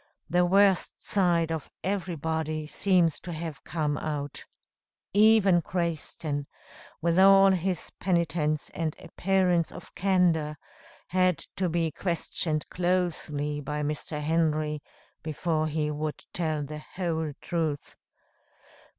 The worst side of everybody seems to have come out. Even Crayston, with all his penitence and appearance of candor, had to be questioned closely by Mr. Henry before he would tell the whole truth.